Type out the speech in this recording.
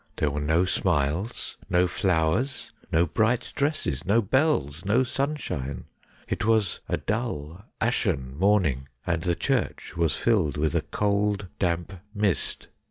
There were no smiles, no flowers, no bright dresses, no bells, no sunshine. It was a dull, ashen morning, and the church was filled with a cold, damp mist.